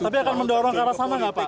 tapi akan mendorong ke arah sana nggak pak